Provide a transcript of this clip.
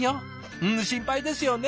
うん心配ですよね